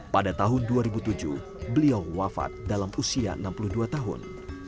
pada tahun dua ribu tujuh beliau wafat dalam usia enam puluh dua tahun